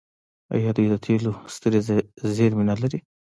آیا دوی د تیلو سترې زیرمې نلري؟